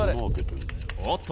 おっと？